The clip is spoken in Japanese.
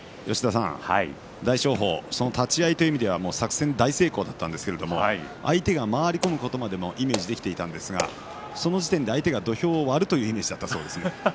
大翔鵬立ち合いという意味では作戦大成功だったんですけど相手が回り込むことまでイメージできていましたがその時点で相手が土俵を割るというイメージだったようです。